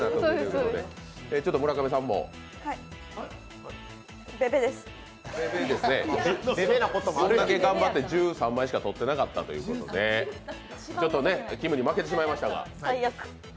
こんだけ頑張って１３枚しか取ってなかったということで、ちょっとね、きむに負けてしまいましたが。